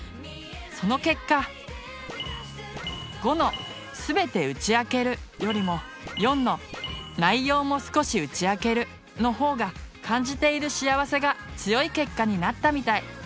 その結果５の「すべて打ち明ける」よりも４の「内容も少し打ち明ける」の方が感じている幸せが強い結果になったみたい。